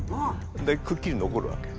でくっきり残るわけ。